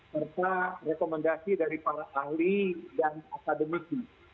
serta rekomendasi dari para ahli dan akademisi